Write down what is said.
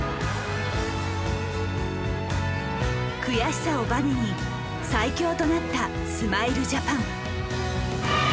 悔しさをバネに最強となったスマイルジャパン。